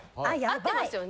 合ってますよね？